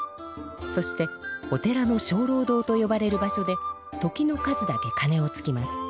そしてお寺のしょうろう堂とよばれる場所で時の数だけかねをつきます。